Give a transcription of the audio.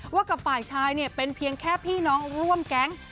ว่ากับฝ่ายชายเนี่ยเป็นเพียงแค่พี่น้องร่วมแก๊ง